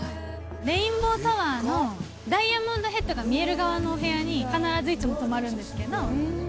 レインボータワーのダイヤモンドヘッドが見える側のお部屋に必ずいつも泊まるんですけど。